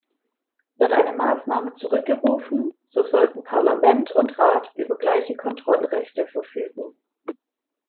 Wird eine Maßnahme zurückgerufen, so sollten Parlament und Rat über gleiche Kontrollrechte verfügen.